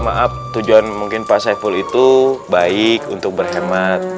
maaf tujuan mungkin pak saiful itu baik untuk berhemat